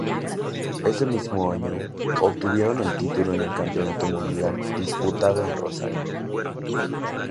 Ese mismo año, obtuvieron el segundo título en el Campeonato Mundial disputado en Rosario.